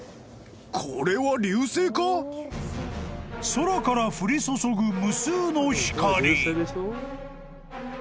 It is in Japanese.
［空から降り注ぐ無数の光］